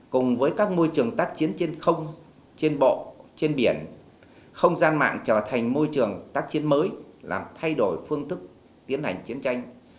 cùng với các môi trường tác chiến trên không trên bộ trên biển không gian mạng trở thành môi trường tác chiến mới làm thay đổi phương thức tiến hành chiến tranh